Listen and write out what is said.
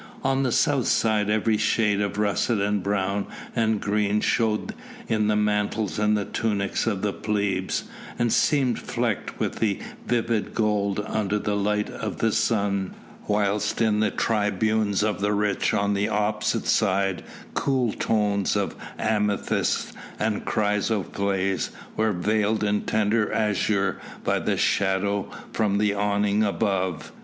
On the south side every shade of russet and brown and green showed in the mantles and the tunics of the plebs, and seemed flecked with vivid gold under the light of the sun, whilst in the tribunes of the rich on the opposite side cool tones of amethyst and chrysoprase were veiled in tender azure by the shadow from the awning above.